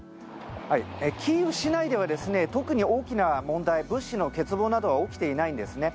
キーウ市内では特に大きな問題物資の欠乏などは起きていないんですね。